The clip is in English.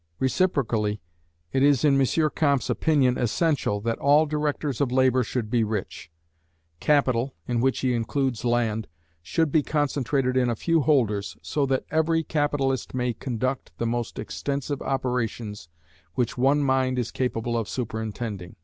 Reciprocally, it is in M. Comte's opinion essential, that all directors of labour should be rich. Capital (in which he includes land) should be concentrated in a few holders, so that every capitalist may conduct the most extensive operations which one mind is capable of superintending.